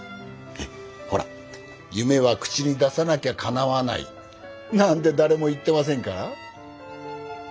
ほら夢は口に出さなきゃ叶わないなんて誰も言ってませんから。